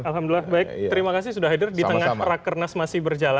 alhamdulillah baik terima kasih sudah hadir di tengah rakernas masih berjalan